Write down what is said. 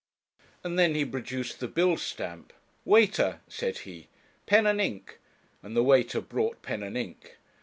And then he produced the bill stamp. 'Waiter,' said he, 'pen and ink,' and the waiter brought pen and ink.